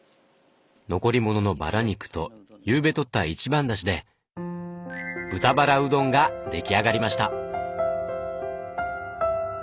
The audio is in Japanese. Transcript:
残り物のバラ肉とゆうべとった一番だしで豚バラうどんが出来上がりました。